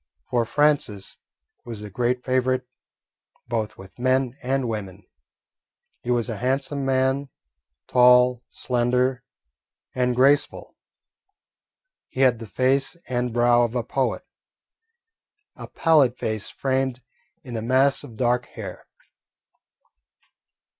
For Francis was a great favourite both with men and women. He was a handsome man, tall, slender, and graceful. He had the face and brow of a poet, a pallid face framed in a mass of dark hair.